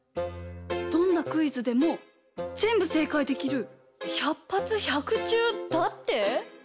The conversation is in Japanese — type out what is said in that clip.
どんなクイズでもぜんぶせいかいできる「百発百中」だって？